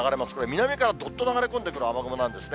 南からどっと流れ込んでくる雨雲なんですね。